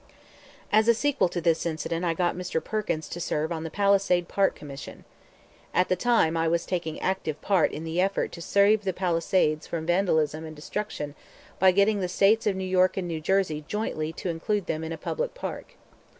As a sequel to this incident I got Mr. Perkins to serve on the Palisade Park Commission. At the time I was taking active part in the effort to save the Palisades from vandalism and destruction by getting the States of New York and New Jersey jointly to include them in a public park.